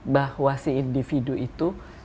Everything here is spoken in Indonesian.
bahwa si individu itu